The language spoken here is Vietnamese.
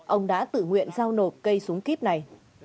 ông đã tự nguyện giao nộp cây súng kíp này